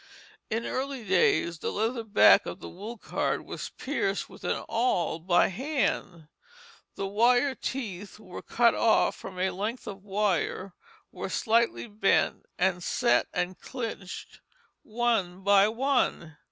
In early days the leather back of the wool card was pierced with an awl by hand; the wire teeth were cut off from a length of wire, were slightly bent, and set and clinched one by one.